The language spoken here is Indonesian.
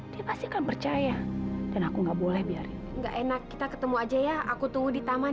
dia pasti akan percaya dan aku nggak boleh biarin enggak enak kita ketemu aja ya aku tunggu di taman